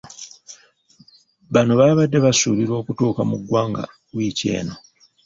Bano babadde basuubirwa okutuuka mu ggwanga wiiki eno.